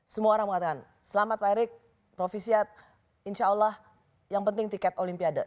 semua orang mengatakan selamat pak erik rofi siap insya allah yang penting tiket olimpiade